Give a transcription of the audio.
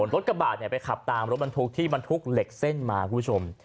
รถกระบะไปขับตามรถบรรทุกที่บรรทุกเหล็กเส้นมาคุณผู้ชม